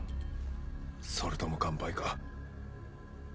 それとも乾杯か。